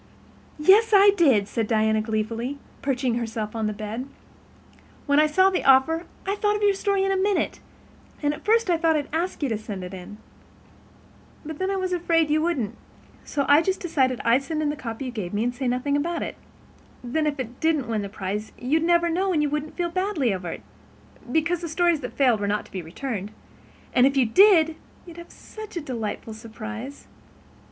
"Yes, I did," said Diana gleefully, perching herself on the bed. "When I saw the offer I thought of your story in a minute, and at first I thought I'd ask you to send it in. But then I was afraid you wouldn't—you had so little faith left in it. So I just decided I'd send the copy you gave me, and say nothing about it. Then, if it didn't win the prize, you'd never know and you wouldn't feel badly over it, because the stories that failed were not to be returned, and if it did you'd have such a delightful surprise."